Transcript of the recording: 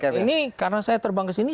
betul ini karena saya terbang kesini